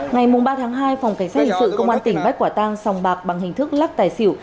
ngày ba tháng hai phòng cảnh sát hình sự công an tỉnh bắt quả tăng sòng bạc bằng hình thức lắc tài xỉu